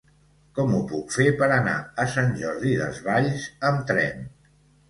Com ho puc fer per anar a Sant Jordi Desvalls amb tren?